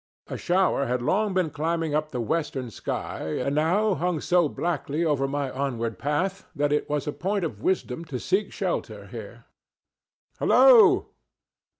A shower had long been climbing up the western sky, and now hung so blackly over my onward path that it was a point of wisdom to seek shelter here. "Halloo!